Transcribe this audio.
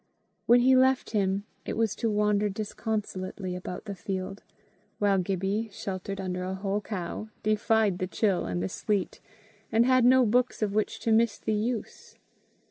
When he left him, it was to wander disconsolately about the field; while Gibbie, sheltered under a whole cow, defied the chill and the sleet, and had no books of which to miss the use.